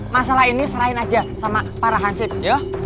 masalah ini selain aja sama para hansip ya